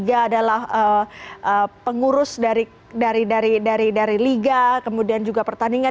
adalah pengurus dari liga kemudian juga pertandingan